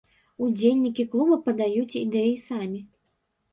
Удзельнікі клуба падаюць ідэі самі.